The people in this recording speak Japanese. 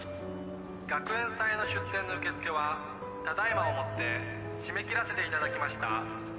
学園祭の出店の受け付けはただいまをもって締め切らせていただきました」